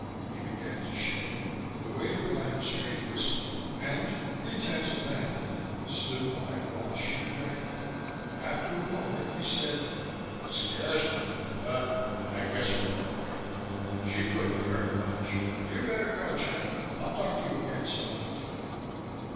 He began to shake. The waiter brought him straight whiskey and, pretense abandoned, stood by while Hsi drank it. After a moment he said, "Scares you. But I guess we're all right. She couldn't have heard much. You'd better go, Chandler. I'll talk to you again some other time."